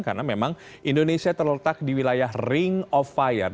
karena memang indonesia terletak di wilayah ring of fire